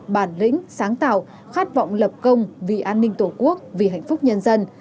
bản lĩnh sáng tạo khát vọng lập công vì an ninh tổ quốc vì hạnh phúc nhân dân